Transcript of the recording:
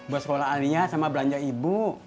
buat sekolah adinya sama belanja ibu